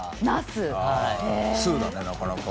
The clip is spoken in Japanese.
通だねなかなか。